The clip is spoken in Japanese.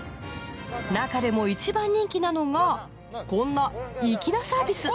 なかでも一番人気なのがこんな粋なサービス甲冑レンタル。